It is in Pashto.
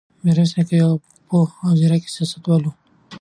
میرویس نیکه یو پوه او زیرک سیاستوال و.